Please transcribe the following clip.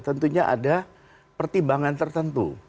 tentunya ada pertimbangan tertentu